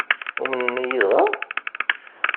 Umnen-iyi dɣa?